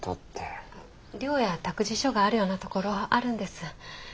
寮や託児所があるようなところあるんです。